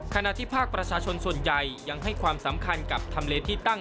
ขณะที่ภาคประชาชนส่วนใหญ่ยังให้ความสำคัญกับทำเลที่ตั้ง